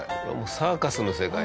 サーカスの世界だよね。